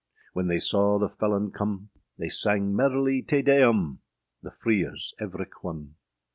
When they sawe the felon come, They sange merrilye Te Deum! The freers evrich one.